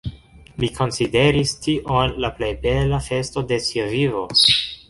Li konsideris tion la plej bela festo de sia vivo.